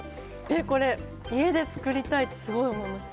これ、家で作りたいってすごい思いました。